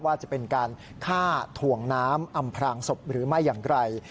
ว่าจะเป็นการฆ่าถ่วงน้ำอำพลางศพหรือไม่อย่างไร